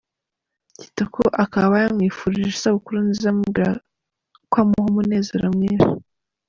Kitoko akaba yamwifurije isabukuru nziza amubwira ko amuha umunezero mwinshi.